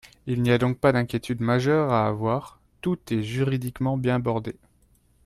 Il n’y a donc pas d’inquiétude majeure à avoir, tout est juridiquement bien bordé.